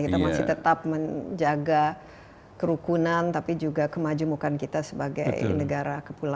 kita masih tetap menjaga kerukunan tapi juga kemajuan kita sebagai negara kepulauan dan agama